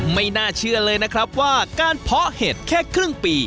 ไม่น่าเชื่อเลยนะครับว่าการเพาะเห็ดแค่ครึ่งปี